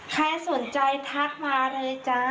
ใครสนใจทักมาเลยจ้า